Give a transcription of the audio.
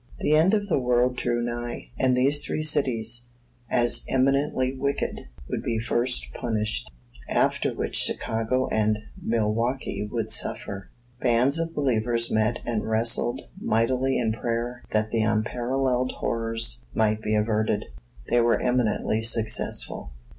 The end of the world drew nigh, and these three cities, as eminently wicked, would be first punished; after which Chicago and Milwaukee would suffer. Bands of believers met and wrestled mightily in prayer that the unparalleled horrors might be averted. They were eminently successful.